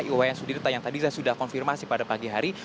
iwaya sudirta yang tadi sudah saya konfirmasi pada pagi hari